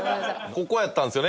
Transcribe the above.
ここやったんですよね。